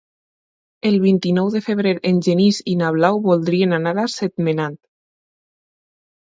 El vint-i-nou de febrer en Genís i na Blau voldrien anar a Sentmenat.